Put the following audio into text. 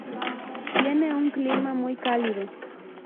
Tiene un clima muy cálido.